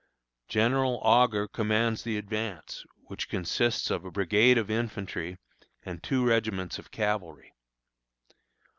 General Augur commands the advance, which consists of a brigade of infantry and two regiments of cavalry.